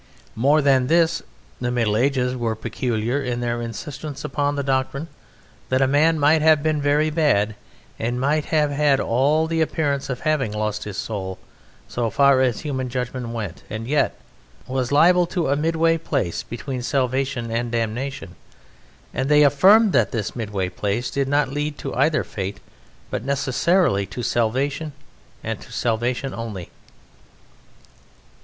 More than this, the Middle Ages were peculiar in their insistence upon the doctrine that a man might have been very bad and might have had all the appearance of having lost his soul so far as human judgment went, and yet was liable to a midway place between salvation and damnation, and they affirmed that this midway place did not lead to either fate but necessarily to salvation and to salvation only.